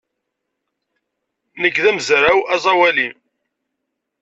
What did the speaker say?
Nekk d amezraw aẓawali.